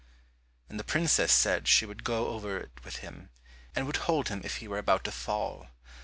And the princess said she would go over it with him, and would hold him if he were about to fall.